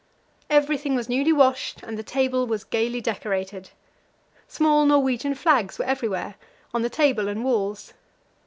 Everything was newly washed, and the table was gaily decorated. Small Norwegian flags were everywhere, on the table and walls.